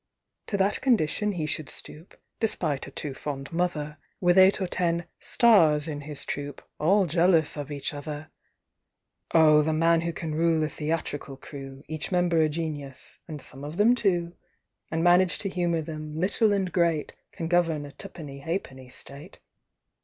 To that condition he should stoop (Despite a too fond mother), With eight or ten "stars" in his troupe, All jealous of each other! Oh, the man who can rule a theatrical crew, Each member a genius (and some of them two), And manage to humour them, little and great, Can govern a tuppenny ha'penny State!